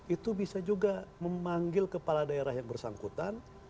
itu bisa juga memanggil kepala daerah yang bersangkutan